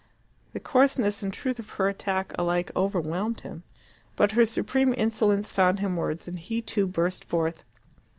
The coarseness and truth of her attack alike overwhelmed him. But her supreme insolence found him words, and he too burst forth.